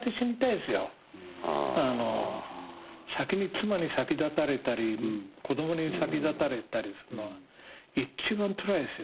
妻に先立たれたり子供に先立たれたりするのは一番つらいですよ。